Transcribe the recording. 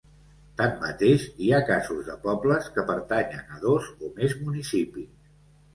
Tanmateix, hi ha casos de pobles que pertanyen a dos o més municipis.